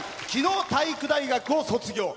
きのう、大学を卒業。